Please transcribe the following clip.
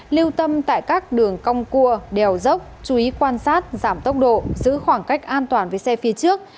lưu tâm tại các đường cong cua đèo dốc chú ý quan sát giảm tốc độ giữ khoảng cách an toàn với xe phía trước